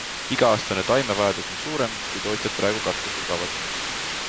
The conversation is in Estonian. Iga-aastane taimevajadus on suurem, kui tootjad praegu katta suudavad.